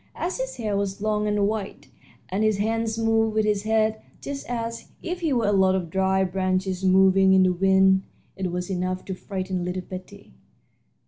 As his hair was long and white, and his hands moved with his head, just as if he were a lot of dried branches moving in the wind, it was enough to frighten little Betty.